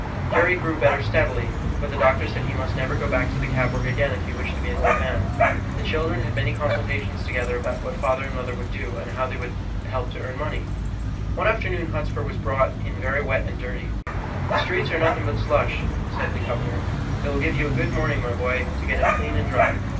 Jerry grew better steadily, but the doctor said that he must never go back to the cab work again if he wished to be an old man. The children had many consultations together about what father and mother would do, and how they could help to earn money. One afternoon Hotspur was brought in very wet and dirty. "The streets are nothing but slush," said the governor; "it will give you a good warming, my boy, to get him clean and dry."